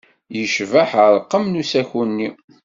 Yecbeḥ ṛṛqem n usaku-nni.